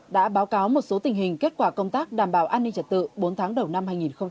đã báo cáo một số tình hình kết quả công tác đảm bảo an ninh trật tự bốn tháng đầu năm hai nghìn hai mươi